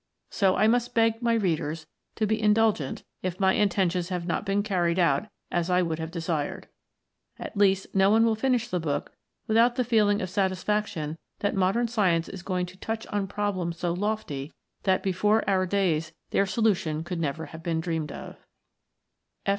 So I must beg my readers to be indulgent if my intentions have not been carried out as I would have desired. At least no one will finish the book without the feeling of satisfaction that Modern Science is going to touch on problems so lofty that before our days their solution could never have been dreamed of.